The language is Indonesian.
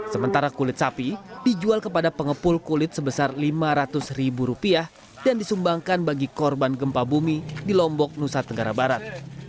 sementara kulit sapi dijual kepada pengepul kulit sebesar lima ratus ribu rupiah dan disumbangkan bagi korban gempa bumi di lombok nusa tenggara barat